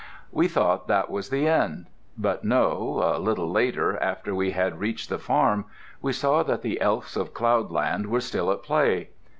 We thought that was the end. But no—a little later, after we had reached the farm, we saw that the elfs of cloudland were still at play.